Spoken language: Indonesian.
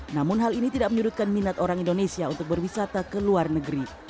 namun hal ini tidak menyurutkan minat orang indonesia untuk berwisata ke luar negeri